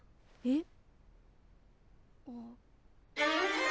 えっ。